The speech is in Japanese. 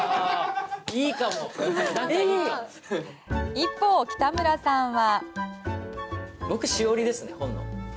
一方、北村さんは。